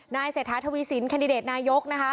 นายเศรษฐธวิสินคันดิเดตนายยกนะคะ